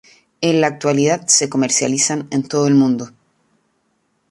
En la actualidad se comercializan en todo el mundo.